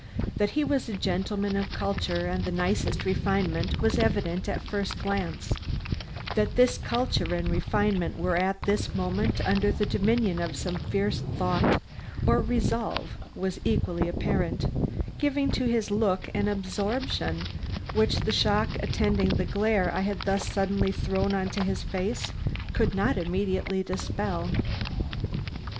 That he was a gentleman of culture and the nicest refinement was evident at first glance; that this culture and refinement were at this moment under the dominion of some fierce thought or resolve was equally apparent, giving to his look an absorption which the shock attending the glare I had thus suddenly thrown on his face could not immediately dispel.